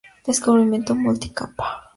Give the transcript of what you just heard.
Recubrimiento multicapa.